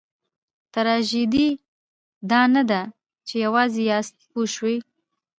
تراژیدي دا نه ده چې یوازې یاست پوه شوې!.